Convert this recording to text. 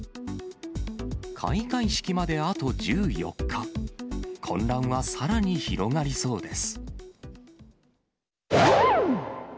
開会式まであと１４日、混乱はさらに広がりそうです。